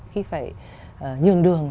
khi phải nhường đường